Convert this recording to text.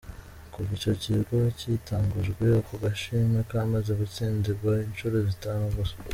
Kuva ico kigo gitangujwe ako gashimwe kamaze gutsindigwa incuro zitanu gusa.